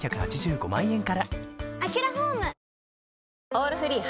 「オールフリー」